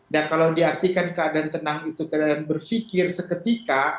dan kalau diartikan keadaan tenang itu keadaan berfikir seketika